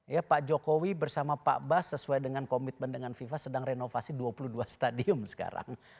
ya pak jokowi bersama pak bas sesuai dengan komitmen dengan fifa sedang renovasi dua puluh dua stadium sekarang